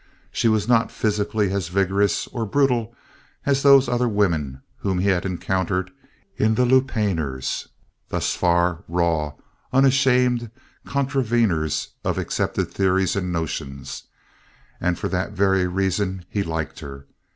She was not physically as vigorous or brutal as those other women whom he had encountered in the lupanars, thus far—raw, unashamed contraveners of accepted theories and notions—and for that very reason he liked her.